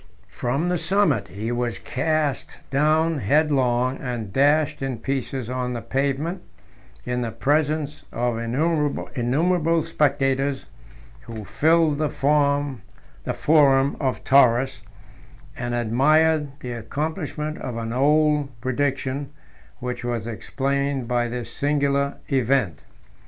18 From the summit he was cast down headlong, and dashed in pieces on the pavement, in the presence of innumerable spectators, who filled the forum of Taurus, and admired the accomplishment of an old prediction, which was explained by this singular event.